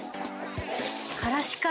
からしか。